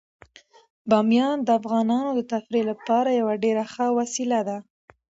بامیان د افغانانو د تفریح لپاره یوه ډیره ښه وسیله ده.